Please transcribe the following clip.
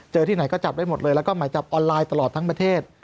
ที่ไหนก็จับได้หมดเลยแล้วก็หมายจับออนไลน์ตลอดทั้งประเทศ